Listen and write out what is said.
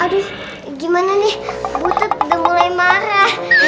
aduh gimana nih butet udah mulai marah